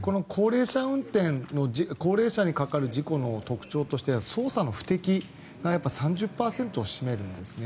この高齢者にかかる事故の特徴としては操作の不適が３０％を占めるんですね。